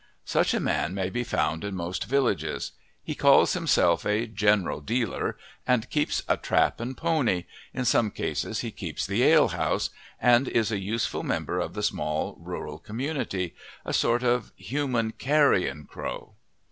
Such a man may be found in most villages; he calls himself a "general dealer," and keeps a trap and pony in some cases he keeps the ale house and is a useful member of the small, rural community a sort of human carrion crow.